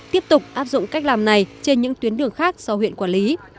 tiếp tục áp dụng cách làm này trên những tuyến đường khác do huyện quản lý